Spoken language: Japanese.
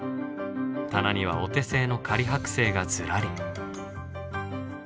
棚にはお手製の仮剥製がずらり。